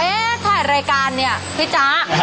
ถ่ายรายการเนี่ยพี่จ๊ะ